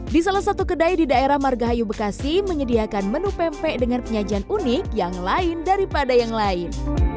di salah satu kedai di daerah margahayu bekasi menyediakan menu pempek dengan penyajian unik yang lain daripada yang lain